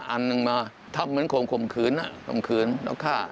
อันนึงมาทำเหมือนขมขืนแล้วฆ่า